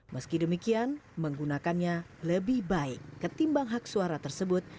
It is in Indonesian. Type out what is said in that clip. meski demikian menggunakannya lebih baik ketimbang hak suara tersebut